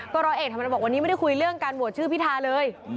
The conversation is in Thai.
ร้อยเอกธรรมนัฐบอกวันนี้ไม่ได้คุยเรื่องการโหวตชื่อพิธาเลย